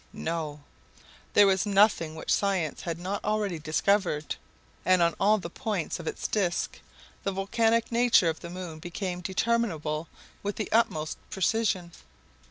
No! there was nothing which science had not already discovered! and on all the points of its disc the volcanic nature of the moon became determinable with the utmost precision.